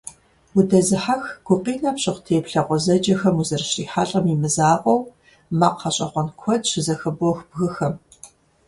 Удэзыхьэх, гукъинэ пщыхъу теплъэ гъуэзэджэхэм уазэрыщрихьэлIэм и мызакъуэу, макъ гъэщIэгъуэн куэд щызэхыбох бгыхэм.